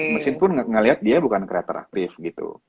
mesin pun ngeliat dia bukan creator aktif gitu